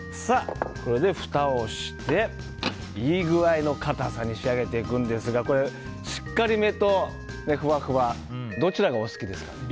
これでふたをしていい具合の固さに仕上げていくんですがこれ、しっかり目とふわふわどちらがお好きですか？